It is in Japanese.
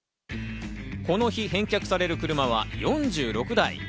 この日、返却される車は４６台。